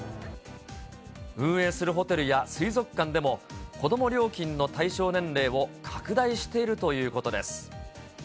運営するホテルや水族館でも、子ども料金の対象年齢を拡大しているということです。